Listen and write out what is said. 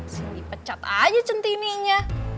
sini pecat aja centininya